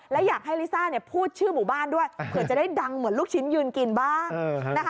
และอยากให้ลิซ่าพูดชื่อหมู่บ้านด้วยเผื่อจะได้ดังเหมือนลูกชิ้นยืนกินบ้างนะคะ